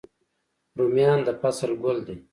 رومیان د فصل ګل دی